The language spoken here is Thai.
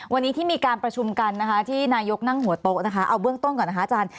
วันนี้ที่มีการประชุมกันนะคะที่นายกนั่งหัวโต๊ะนะคะเอาเบื้องต้นก่อนนะคะอาจารย์